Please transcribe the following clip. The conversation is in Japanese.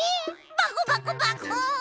バコバコバコーン！